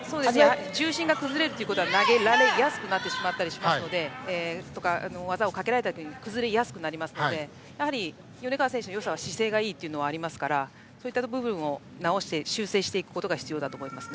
重心が崩れるということは投げられやすくなったり技をかけられた時に崩れやすくなりますのでやはり、米川選手のよさは姿勢がいいところですからそういった部分を修正することが必要だと思います。